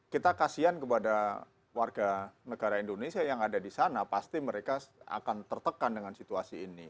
kita kasihan kepada warga negara indonesia yang ada di sana pasti mereka akan tertekan dengan situasi ini